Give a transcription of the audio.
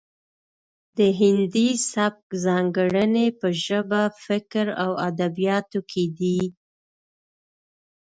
د هندي سبک ځانګړنې په ژبه فکر او ادبیاتو کې دي